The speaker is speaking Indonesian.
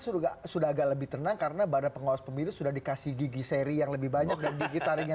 sudah sudah agak lebih tenang karena pada pengawas pemilih sudah dikasih gigi seri yang lebih banyak